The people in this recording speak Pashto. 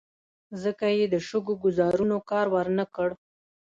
ځکه یې د شګو ګوزارونو کار ور نه کړ.